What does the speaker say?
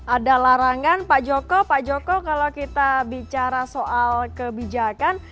ada larangan pak joko pak joko kalau kita bicara soal kebijakan